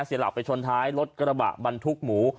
เสียหลักไปชนท้ายรถกระบะบรรทุกหมู